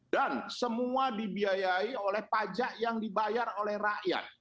dan semua dibiayai oleh pajak yang dibayar oleh rakyat